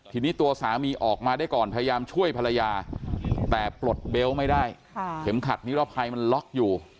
ทีนี้ตัวสามีออกมาได้ก่อนพยายามช่วยภรรยาแต่ปลดเบลต์ไม่ได้เข็มขัดนิรภัยมันล็อกอยู่